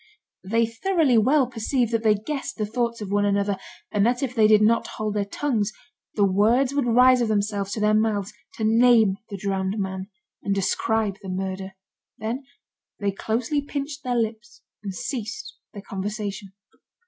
They thoroughly well perceived that they guessed the thoughts of one another, and that if they did not hold their tongues, the words would rise of themselves to their mouths, to name the drowned man, and describe the murder. Then they closely pinched their lips and ceased their conversation.